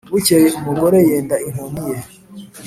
bukeye umugore yenda inkoni ye,